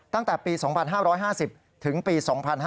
ตั้งแต่ปี๒๕๕๐ถึงปี๒๕๕๙